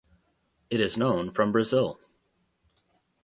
It is known from Brazil.